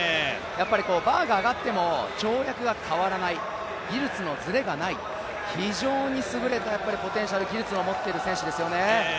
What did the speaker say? バーが上がっても跳躍が変わらない、技術のずれがない、非常に優れたポテンシャル、技術を持ってますよね。